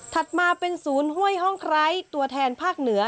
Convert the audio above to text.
มาเป็นศูนย์ห้วยห้องไคร้ตัวแทนภาคเหนือ